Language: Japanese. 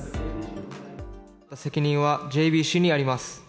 責任はＪＢＣにあります。